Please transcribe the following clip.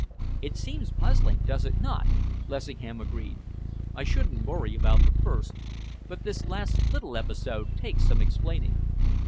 "It seems puzzling, does it not?" Lessingham agreed. "I shouldn't worry about the first, but this last little episode takes some explaining."